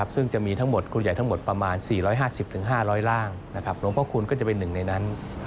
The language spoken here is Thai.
ซึ่งจะมีทั้งหมดครูใหญ่ทั้งหมดประมาณ๔๕๐๕๐๐ร่างหลวงพ่อคูณก็จะเป็นหนึ่งในนั้น